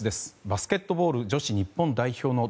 バスケットボール女子日本代表の